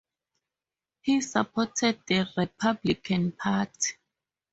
He supported the Republican party.